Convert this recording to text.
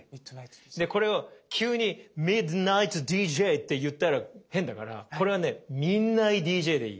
でこれを急に「ＭｉｄｎｉｇｈｔＤＪ」って言ったら変だからこれはね「ミンナイＤＪ」でいい。